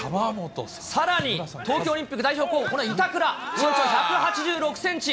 さらに、東京オリンピック代表候補、これ、板倉。１８６センチ。